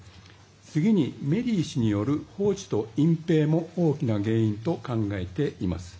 次に、メリー氏による放置と隠ぺいも大きな原因と考えています。